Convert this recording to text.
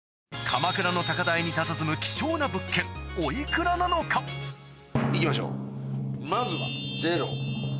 鎌倉の高台にたたずむ希少な物件行きましょうまずはゼロ。